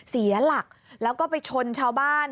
เสียหลักแล้วก็ไปชนชาวบ้าน